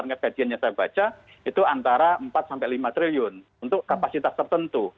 ngebajian yang saya baca itu antara empat sampai lima triliun untuk kapasitas tertentu